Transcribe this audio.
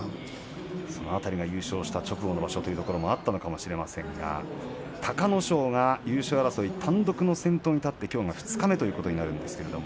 優勝した直後の場所ということもあったのかもしれませんが隆の勝が優勝争い、単独の先頭となってきょうが二日目となります。